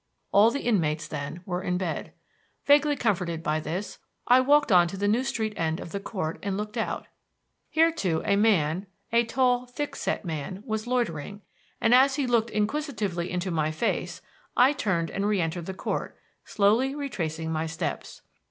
All the inmates, then, were in bed. Vaguely comforted by this, I walked on to the New Street end of the Court and looked out. Here, too, a man a tall, thick set man was loitering; and as he looked inquisitively into my face I turned and reëntered the Court, slowly retracing my steps.